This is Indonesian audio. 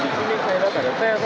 di sini saya lihat ada tes